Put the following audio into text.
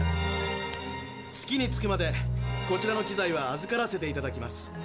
月に着くまでこちらの機材は預からせていただきます。